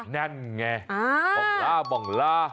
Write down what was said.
นั่นไงบองลา